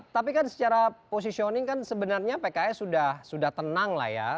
tapi kan secara positioning kan sebenarnya pks sudah tenang lah ya